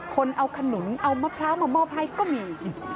คนเอาขนุนเอามะพร้าวมามอบให้ก็มี